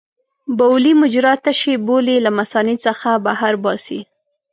بولي مجرا تشې بولې له مثانې څخه بهر باسي.